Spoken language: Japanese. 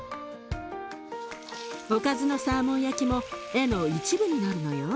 おかずのサーモン焼きも絵の一部になるのよ。